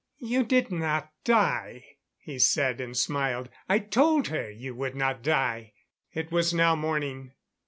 "You did not die," he said; and smiled. "I told her you would not die." It was now morning.